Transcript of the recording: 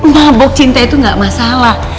ngabuk cinta itu gak masalah